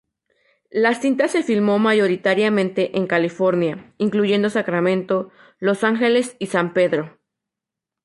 La cinta se filmó mayoritariamente en California, incluyendo Sacramento, Los Ángeles y San Pedro.